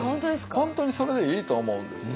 本当にそれでいいと思うんですよね。